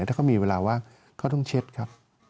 ถ้าเขามีเวลาว่างเขาต้องเช็ดครับ